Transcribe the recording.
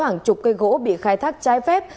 hàng chục cây gỗ bị khai thác trái phép